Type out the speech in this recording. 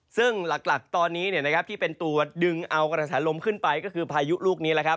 ซึ่งหลักตอนนี้ที่เป็นตัวดึงเอากระแสลมขึ้นไปก็คือพายุลูกนี้แหละครับ